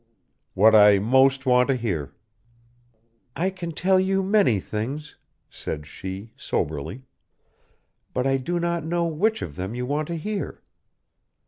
"What I most want to hear." "I can tell you many things," said she, soberly, "but I do not know which of them you want to hear.